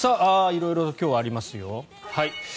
色々、今日はありますよ。